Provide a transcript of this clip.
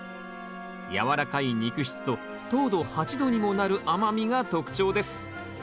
軟らかい肉質と糖度８度にもなる甘みが特徴です